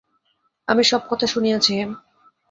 আমি সব কথা শুনিয়াছি হেম!